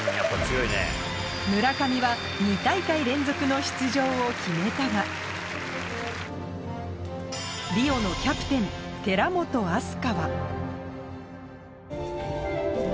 村上は２大会連続の出場を決めたがリオのキャプテン寺本明日香は